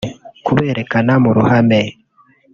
Kuberekana mu ruhame